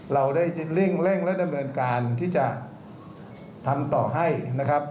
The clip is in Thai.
เราได้เร่งและดำเนินการที่จะทำต่อให้นะครับ